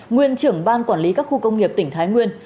nguyên trưởng ban quản lý các khu công nghiệp tỉnh thái nguyên